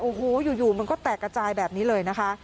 โอ้โหอยู่มันก็แตกกระจายแบบนี้เลยนะคะ